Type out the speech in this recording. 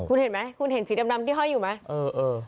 คุณเห็นไหมคุณเห็นสีดำที่ห้อยอยู่ไหม